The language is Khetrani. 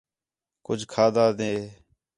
کُج کھادا ݙے